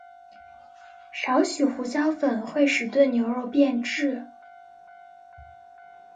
少许胡椒粉会使炖牛肉变质。